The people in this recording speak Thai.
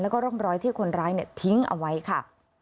แล้วก็ร่องรอยที่คนร้ายทิ้งเอาไว้ค่ะ